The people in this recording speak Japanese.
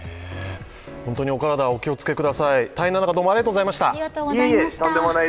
本当にお体お気をつけください。